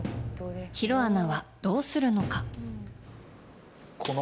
弘アナはどうするのか。